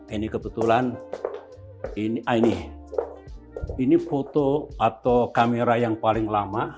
ini kebetulan ini foto atau kamera yang paling lama